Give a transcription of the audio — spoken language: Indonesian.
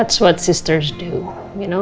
ya itu yang berarti yang berarti